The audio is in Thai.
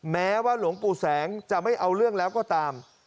แม้ว่าหลวงปู่แสงจะไม่เอาเรื่องแล้วก็ตาม